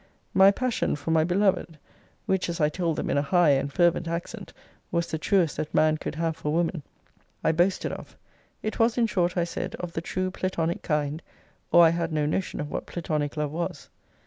'My passion for my beloved (which, as I told them in a high and fervent accent, was the truest that man could have for woman) I boasted of. It was, in short, I said, of the true platonic kind; or I had no notion of what platonic love was.'